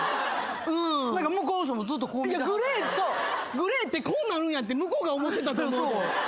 グレーってこうなるんやって向こうが思ってたと思うで。